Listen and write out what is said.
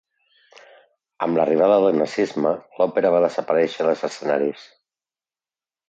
Amb l'arribada del nazisme, l'òpera va desaparèixer dels escenaris.